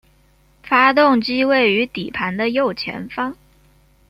发动机位于底盘的右前方。